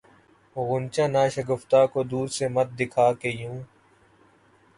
غنچۂ ناشگفتہ کو دور سے مت دکھا کہ یوں